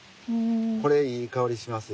これいい香りしますよ。